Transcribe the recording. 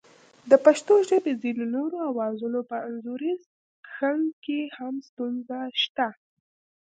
د پښتو ژبې ځینو نورو آوازونو په انځوریز کښنګ کې هم ستونزه شته